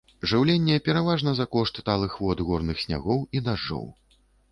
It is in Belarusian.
Жыўленне пераважна за кошт талых вод горных снягоў і дажджоў.